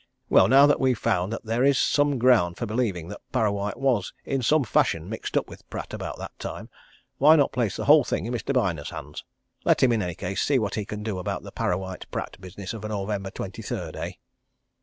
Well, now that we've found that there is some ground for believing that Parrawhite was in some fashion mixed up with Pratt about that time, why not place the whole thing in Mr. Byner's hands let him in any case see what he can do about the Parrawhite Pratt business of November twenty third, eh?"